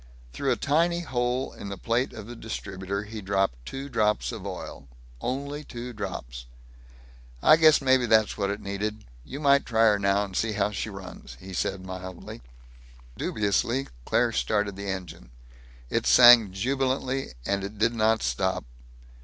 Through a tiny hole in the plate of the distributor he dripped two drops of oil only two drops. "I guess maybe that's what it needed. You might try her now, and see how she runs," he said mildly. Dubiously Claire started the engine. It sang jubilantly, and it did not stop.